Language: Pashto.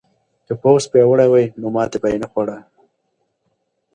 که پوځ پیاوړی وای نو ماتې به یې نه خوړه.